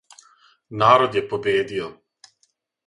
Народ је победио.